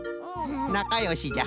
なかよしじゃ。